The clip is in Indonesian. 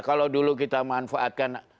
kalau dulu kita manfaatkan